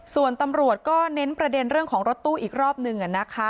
ส่วนตำรวจก็เน้นประเด็นเรื่องของรถตู้อีกรอบหนึ่ง